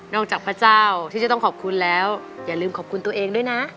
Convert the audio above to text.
จากพระเจ้าที่จะต้องขอบคุณแล้วอย่าลืมขอบคุณตัวเองด้วยนะ